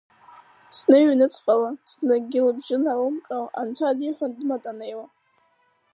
Зны ҩнуҵҟала, зынгьы лыбжьы налымҟьо анцәа диҳәон дматанеиуа…